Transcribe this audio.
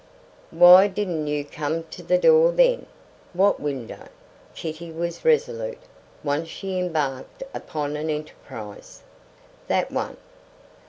"Why didn't you come to the door then? What window?" Kitty was resolute; once she embarked upon an enterprise. "That one."